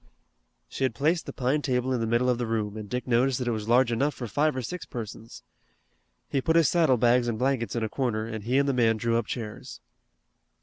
She had placed the pine table in the middle of the room, and Dick noticed that it was large enough for five or six persons. He put his saddle bags and blankets in a corner and he and the man drew up chairs.